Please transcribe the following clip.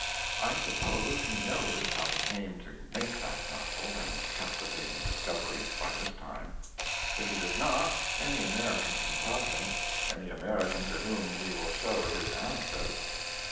I suppose he knows how he came to make that novel and captivating discovery, by this time. If he does not, any American can tell him any American to whom he will show his anecdotes.